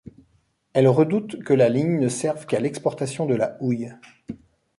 Elle redoute que la ligne ne serve qu’à l’exportation de la houille.